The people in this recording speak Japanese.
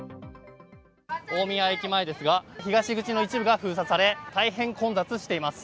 大宮駅前ですが東口の一部が封鎖され大変混雑しています。